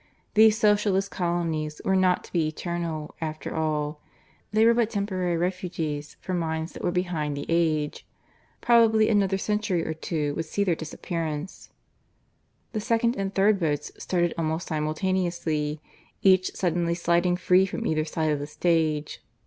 These Socialist colonies were not to be eternal, after all: they were but temporary refuges for minds that were behind the age. Probably another century or two would see their disappearance. The second and third boats started almost simultaneously, each suddenly sliding free from either side of the stage.